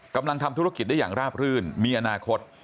กำลังทำธุรกิจได้อย่างราบรื่นมีอนาคต